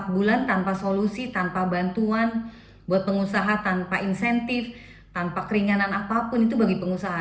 empat bulan tanpa solusi tanpa bantuan buat pengusaha tanpa insentif tanpa keringanan apapun itu bagi pengusaha